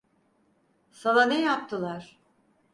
Sana ne yaptılar?